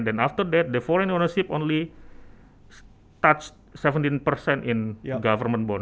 dan setelah itu kegunaan luar negara hanya mencapai tujuh belas dari bonus pemerintah